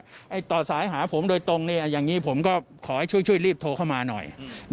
ต่อสายหาผมโดยตรงอย่างนี้ผมก็ขอให้ช่วยรีบโทรเข้ามาหน่อย